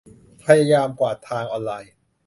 พยายามกวาดทางออนไลน์